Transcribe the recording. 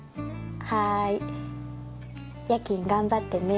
はーい。夜勤頑張ってね。